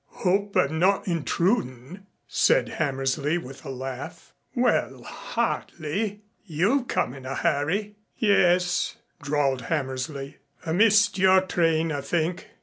"Hope I'm not intrudin'," said Hammersley, with a laugh. "Well, hardly. You've come in a hurry." "Yes," drawled Hammersley. "I missed your train, I think.